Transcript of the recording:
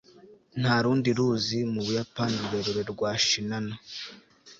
nta rundi ruzi mu buyapani rurerure rwa shinano